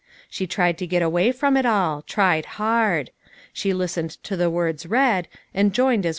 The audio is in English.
She tried to get away from it all ; tried hard. She listened to the words read, and joined as